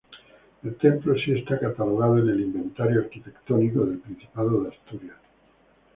El templo si está catalogado en el inventario arquitectónico del Principado de Asturias.